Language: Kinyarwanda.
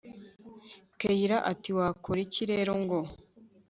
kellia ati wakoriki rero ngo